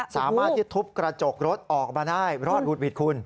สามารถที่ทุบกระจกรถออกมาได้รอดหวุดหวิดคุณ